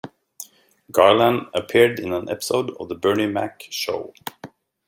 Garland appeared in an episode of The Bernie Mac Show.